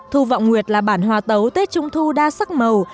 thu vọng nguyệt là bản hòa tấu tết trung thu đa sắc màu